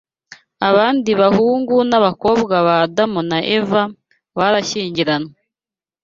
Abandi bahungu n’abakobwa ba Adamu na Eva barashyingiranywe